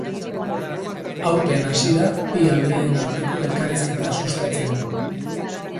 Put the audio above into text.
Aurten hasi da bi aldeen arteko elkarrizketa sustatzen.